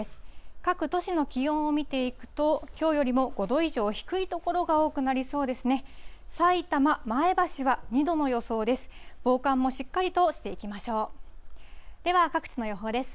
各都市の気温を見ていくと、きょうよりも５度以上低い所が多くなりそうですね。